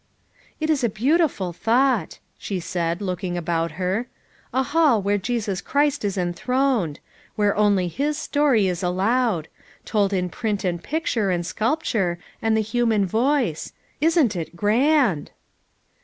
"It is a beautiful thought," she said, looking about her. "A Hall where Jesus Christ is en throned; where only his story is allowed; told in print and picture and sculpture and the human voice. Isn't it grand!"